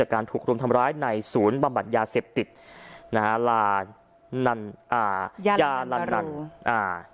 การถูกรุมทำร้ายในศูนย์บำบัดยาเสพติดนะฮะลานันอ่ายายาลันอ่า